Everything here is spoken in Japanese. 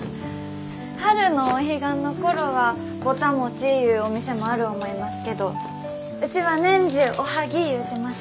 春のお彼岸の頃はぼた餅言うお店もある思いますけどうちは年中おはぎ言うてます。